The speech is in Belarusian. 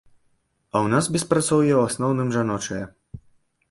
А ў нас беспрацоўе ў асноўным жаночае.